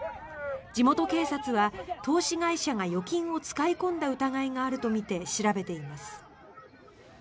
地元警察は投資会社が預金を使い込んだ疑いがあるとみて調べています。